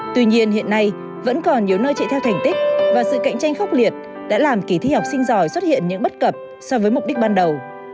tuy nhiên hiện nay vẫn còn nhiều nơi chạy theo thành tích và sự cạnh tranh khốc liệt đã làm kỳ thi học sinh giỏi xuất hiện những bất cập so với mục đích ban đầu